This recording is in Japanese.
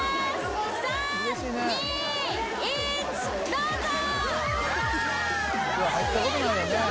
どうぞ。